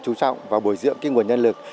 trú trọng và bồi dưỡng cái nguồn nhân lực